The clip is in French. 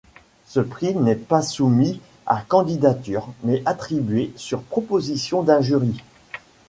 Ce prix n'est pas soumis à candidature mais attribué sur proposition d'un jury.